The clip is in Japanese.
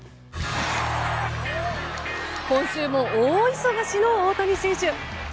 今週も大忙しの大谷選手。